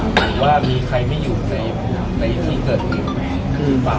หรือว่ามีใครไม่อยู่ในที่เกิดคือเปล่า